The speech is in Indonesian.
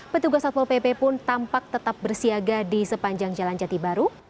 petugas satpol pp pun tampak tetap bersiaga di sepanjang jalan jati baru